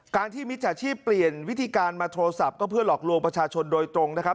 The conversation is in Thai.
ที่มิจฉาชีพเปลี่ยนวิธีการมาโทรศัพท์ก็เพื่อหลอกลวงประชาชนโดยตรงนะครับ